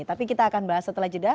tapi kita akan bahas setelah jeda